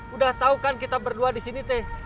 udah tau kan kita berdua di sini teh